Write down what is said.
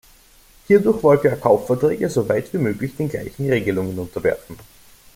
Hierdurch wollte er Kaufverträge so weit wie möglich den gleichen Regelungen unterwerfen.